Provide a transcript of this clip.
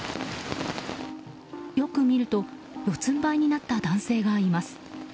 よく見ると四つんばいになった男性がいます。